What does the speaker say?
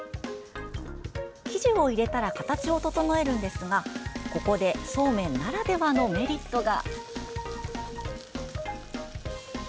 生地を入れたら形を整えるのですがここでそうめんならではのメリットが。